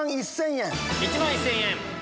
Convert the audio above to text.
１万１０００円。